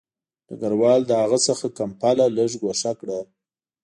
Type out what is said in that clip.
ډګروال له هغه څخه کمپله لږ ګوښه کړه